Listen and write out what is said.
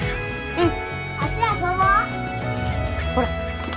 うん？